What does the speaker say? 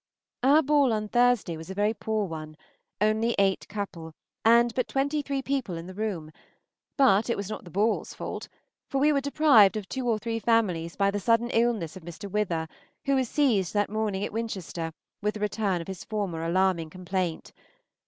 Our ball on Thursday was a very poor one, only eight couple and but twenty three people in the room; but it was not the ball's fault, for we were deprived of two or three families by the sudden illness of Mr. Wither, who was seized that morning at Winchester with a return of his former alarming complaint.